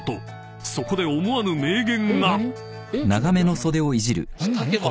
［そこで思わぬ名言が］